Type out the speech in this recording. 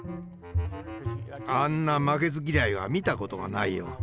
あんな負けず嫌いは見たことがないよ。